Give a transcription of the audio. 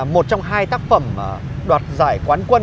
một trong hai tác phẩm đoạt giải quán quân